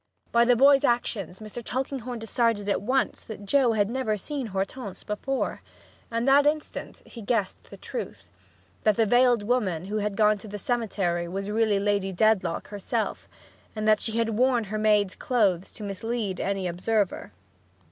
By the boy's actions Mr. Tulkinghorn decided at once that Joe had never seen Hortense before, and that instant, he guessed the truth that the veiled woman who had gone to the cemetery was really Lady Dedlock herself, and that she had worn her maid's clothes to mislead any observer.